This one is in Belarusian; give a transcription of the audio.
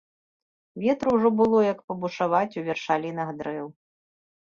Ветру ўжо было як пабушаваць у вершалінах дрэў.